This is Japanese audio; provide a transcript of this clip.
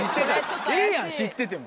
ええやん知ってても。